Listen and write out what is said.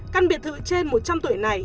căn biệt thự trên một trăm linh tuổi này